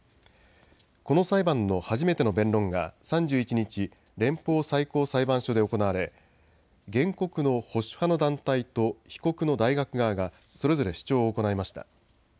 この裁判の初めての弁論が３１日、連邦最高裁判所で行われ原告の保守派の団体と被告の大学側がそれぞれ主張を行いました。